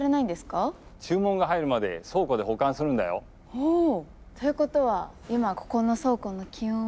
おお！ということは今ここの倉庫の気温は？